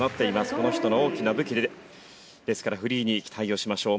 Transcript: この人の大きな武器ですからフリーに期待をしましょう。